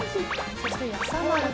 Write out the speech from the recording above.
そして、やさまる君。